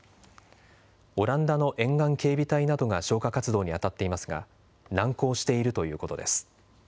オランダの沿岸警備隊などが消火活動に当たっていますが難航しているということです。